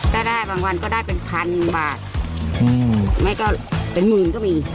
ได้บางวันก็ได้เป็นพันบาทไม่ก็เป็นหมื่นก็มี